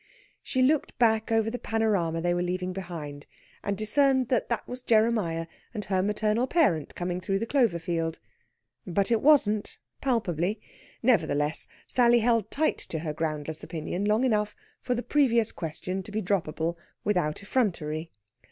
She looked back over the panorama they were leaving behind, and discerned that that was Jeremiah and her maternal parent coming through the clover field. But it wasn't, palpably. Nevertheless, Sally held tight to her groundless opinion long enough for the previous question to be droppable, without effrontery.